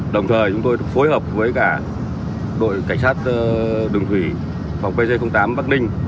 đồng thời chúng tôi phối hợp với cả đội cảnh sát đường thủy phòng pc tám bắc ninh